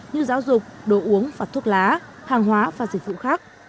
như giáo dục đồ uống và thuốc lá hàng hóa và dịch vụ khác